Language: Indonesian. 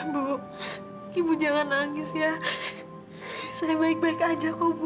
bu ibu jangan nangis ya saya baik baik aja kok bu